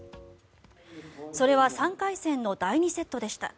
それは３回戦の第２セットでした。